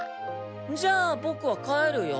じゃあボクは帰るよ。